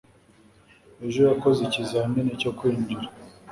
ejo yakoze ikizamini cyo kwinjira